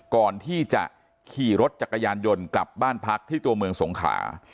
ก่อนที่จะขี่รถจักรยานยนต์กลับบ้านพักที่ตัวเมืองสงขา